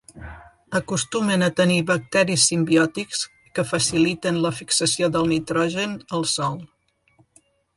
Acostumen a tenir bacteris simbiòtics que faciliten la fixació del nitrogen al sòl.